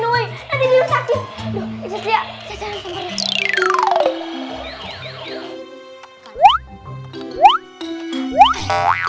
nanti diri sakit